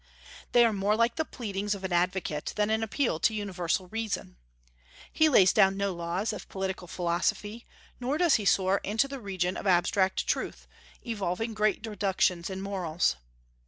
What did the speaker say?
They are more like the pleadings of an advocate than an appeal to universal reason. He lays down no laws of political philosophy, nor does he soar into the region of abstract truth, evolving great deductions in morals.